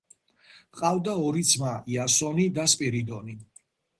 ჰყავდა ორი ძმა იასონი და სპირიდონი.